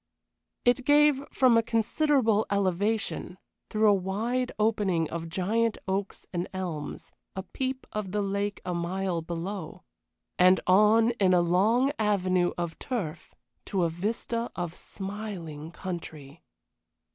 It gave, from a considerable elevation through a wide opening of giant oaks and elms a peep of the lake a mile below, and on in a long avenue of turf to a vista of smiling country.